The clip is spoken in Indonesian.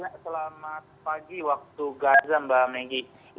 selamat pagi waktu gaza mbak maggie